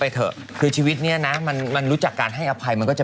เถอะคือชีวิตเนี้ยนะมันมันรู้จักการให้อภัยมันก็จะ